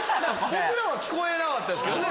僕らは聞こえなかったですけどね。